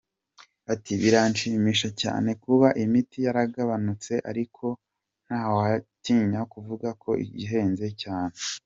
Ati” Birashimishije cyane kuba imiti yaragabanutse, ariko ntawatinya kuvuga ko igihenze cyane.